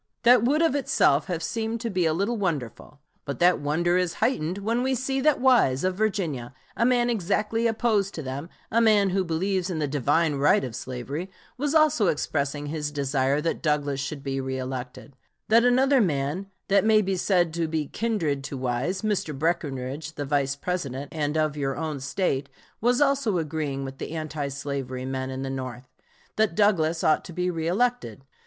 That would of itself have seemed to be a little wonderful, but that wonder is heightened when we see that Wise, of Virginia, a man exactly opposed to them, a man who believes in the divine right of slavery, was also expressing his desire that Douglas should be reëlected; that another man that may be said to be kindred to Wise, Mr. Breckinridge, the Vice President, and of your own State, was also agreeing with the anti slavery men in the North, that Douglas ought to be reëlected.